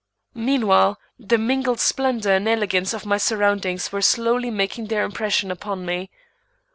Meanwhile the mingled splendor and elegance of my surroundings were slowly making their impression upon me.